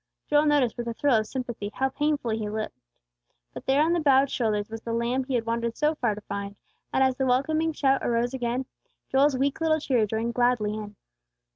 Joel noticed, with a thrill of sympathy, how painfully he limped. But there on the bowed shoulders was the lamb he had wandered so far to find; and as the welcoming shout arose again, Joel's weak little cheer joined gladly in.